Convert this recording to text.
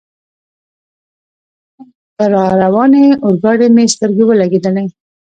پر را روانې اورګاډي مې سترګې ولګېدلې.